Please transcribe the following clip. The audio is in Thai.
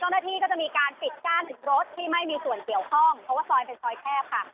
เจ้าหน้าที่ก็จะมีการปิดกั้นถึงรถที่ไม่มีส่วนเกี่ยวข้องเพราะว่าซอยเป็นซอยแคบค่ะ